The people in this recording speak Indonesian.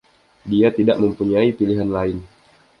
Dia tidak mempunyai pilihan lain.